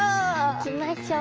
行きましょう。